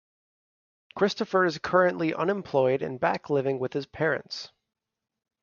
Christopher is currently unemployed and back living with his parents.